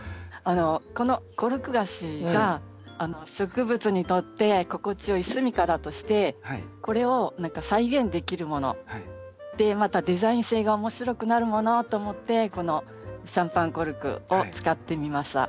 このコルクガシが植物にとって心地よい住みかだとしてこれを再現できるものでまたデザイン性が面白くなるものと思ってこのシャンパンコルクを使ってみました。